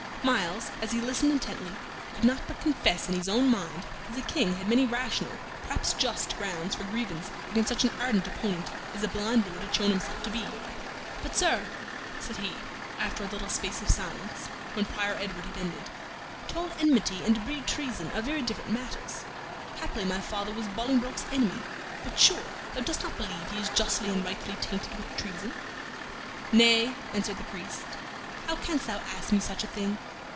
Myles, as he listened intently, could not but confess in his own mind that the King had many rational, perhaps just, grounds for grievance against such an ardent opponent as the blind Lord had shown himself to be. "But, sir," said he, after a little space of silence, when Prior Edward had ended, "to hold enmity and to breed treason are very different matters. Haply my father was Bolingbroke's enemy, but, sure, thou dost not believe he is justly and rightfully tainted with treason?" "Nay," answered the priest, "how canst thou ask me such a thing?